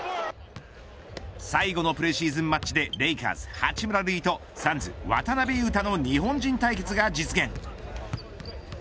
最後のプレシーズンマッチでレイカーズ、八村塁とサンズ、渡邊雄太の日本人対決が実現。